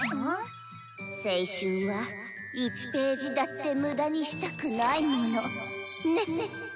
青春は１ページだって無駄にしたくないものネッ！